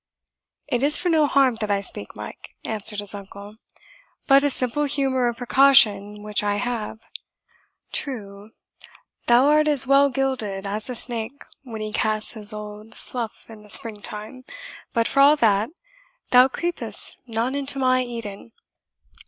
"It is for no harm that I speak, Mike," answered his uncle, "but a simple humour of precaution which I have. True, thou art as well gilded as a snake when he casts his old slough in the spring time; but for all that, thou creepest not into my Eden.